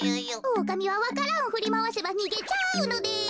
おおかみはわか蘭をふりまわせばにげちゃうのです。